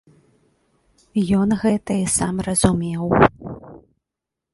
Ён гэта і сам разумеў.